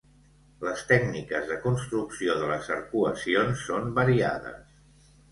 Les tècniques de construcció de les arcuacions són variades.